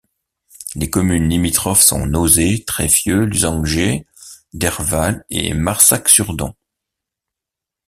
Les communes limitrophes sont Nozay, Treffieux, Lusanger, Derval et Marsac-sur-Don.